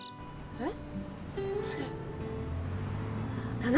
えっ？